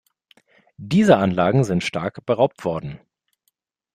Diese Anlagen sind stark beraubt worden.